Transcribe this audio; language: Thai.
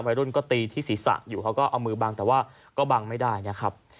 วัยรุ่นก็ตีที่ศีรษะอยู่เขาก็เอามือบังแต่ว่าก็บังไม่ได้นะครับ